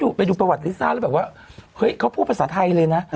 ไปดูประวัติลิซ่าแล้วแบบว่าเฮ้ยเขาพูดภาษาไทยเลยนะ